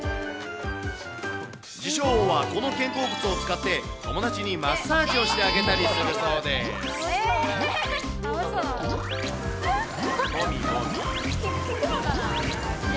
自称王はこの肩甲骨を使って、友達にマッサージをしてあげたりどうですか？